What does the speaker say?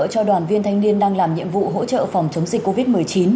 cho đoàn viên thanh niên đang làm nhiệm vụ hỗ trợ phòng chống dịch covid một mươi chín